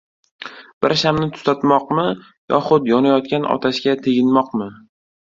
Bir shamni tutatmoqmi yoxud yonayotgan otashga teginmoqmi?